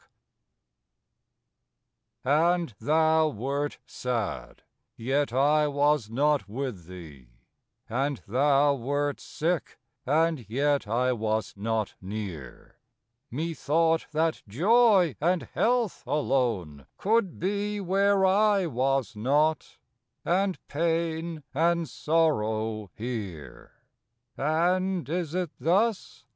And thou wert sad yet I was not with thee; And thou wert sick, and yet I was not near; Methought that Joy and Health alone could be Where I was not and pain and sorrow here! And is it thus?